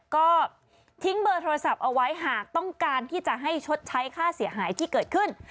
ก็ทิ้งเบอร์โทรศัพท์เอาไว้หากต้องการที่จะให้ชดใช้ค่าเสียหายที่เกิดขึ้น